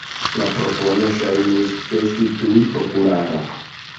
La propono ŝajnis esti tuj populara.